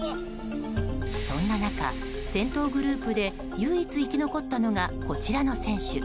そんな中、先頭グループで唯一、生き残ったのがこちらの選手。